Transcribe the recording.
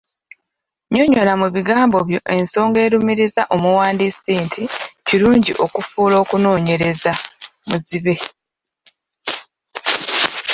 Nnyonnyola mu bigambo byo ensonga erumirizisa omuwandiisi nti kirungi okufuula okunoonyereza ‘muzibe’.